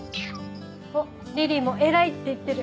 おっリリイも「偉い」って言ってる。